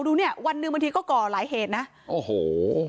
ดูเนี่ยวันหนึ่งบางทีก็ก่อหลายเหตุนะโอ้โห